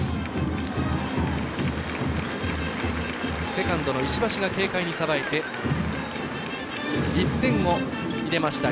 セカンドの石橋が軽快にさばいて１点を入れました。